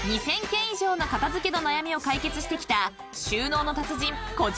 ［２，０００軒以上の片付けの悩みを解決してきた］